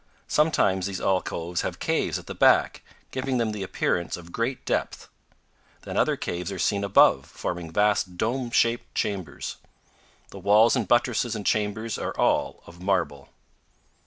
Sometimes these alcoves have caves at the back, giving them the appearance of great depth. Then other caves are seen above, forming vast dome shaped chambers. The walls and buttresses and chambers are all of marble.